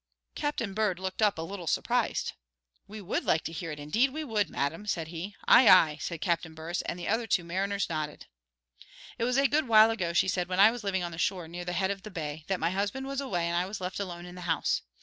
Captain Bird looked up a little surprised. "We would like to hear it indeed, we would, madam," said he. "Ay, ay!" said Captain Burress, and the two other mariners nodded. "It was a good while ago," she said, "when I was living on the shore near the head of the bay, that my husband was away and I was left alone in the house.